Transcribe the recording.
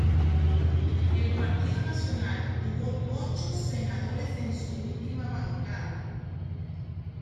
El Partido Nacional tuvo ocho senadores en su última bancada.